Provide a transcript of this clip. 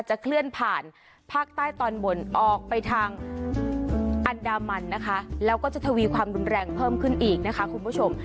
เคลื่อนผ่านภาคใต้ตอนบนออกไปทางอันดามันนะคะแล้วก็จะทวีความรุนแรงเพิ่มขึ้นอีกนะคะคุณผู้ชม